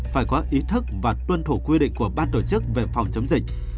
phải có ý thức và tuân thủ quy định của ban tổ chức về phòng chống dịch